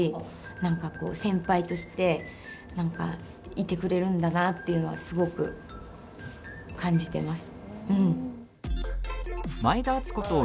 なんかこう先輩として、なんかいてくれるんだなっていうのはすごく感じてます。